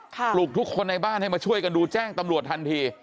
ปลุกทุกคนในบ้านให้มาช่วยกันดูแจ้งตำรวจทันที